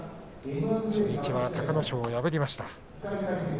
初日は隆の勝を破りました。